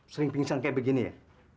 sering pingsan kayak begini ya